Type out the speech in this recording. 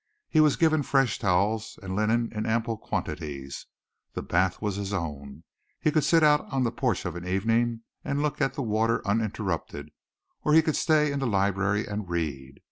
He was given fresh towels and linen in ample quantities. The bath was his own. He could sit out on the porch of an evening and look at the water uninterrupted or he could stay in the library and read.